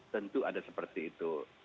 tentu ada seperti itu